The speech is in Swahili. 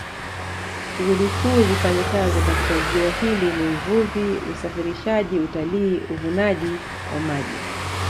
Shughuli kuu zifanyikazo katika ziwa hili ni Uvuvi Usafirishaji Utalii Uvunaji wa maji